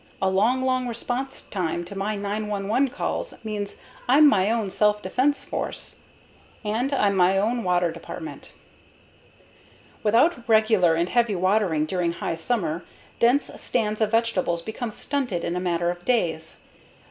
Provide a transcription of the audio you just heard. A long, long response time to my 911 call means I'm my own self defense force. And I'm my own water department. Without regular and heavy watering during high summer, dense stands of vegetables become stunted in a matter of days.